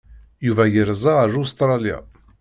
Yuba yerza ar Ustṛalya.